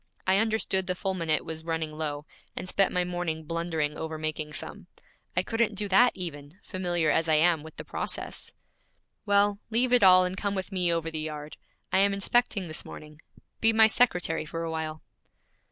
I understood the fulminate was running low, and spent my morning blundering over making some. I couldn't do that even, familiar as I am with the process.' 'Well, leave it all and come with me over the yard. I am inspecting this morning. Be my secretary for a while.'